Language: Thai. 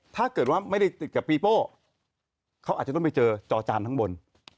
ถ้าเกิดว่าไม่ได้ติดกับปีโป้เขาอาจจะต้องไปเจอจอจานข้างบน